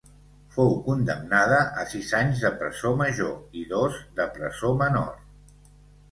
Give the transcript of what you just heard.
Fou condemnada a sis anys de presó major i dos de presó menor.